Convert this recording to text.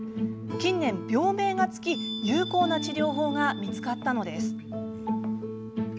近年、病名が付き有効な治療法が見つかったのです。